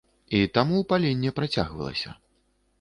І таму паленне працягвалася.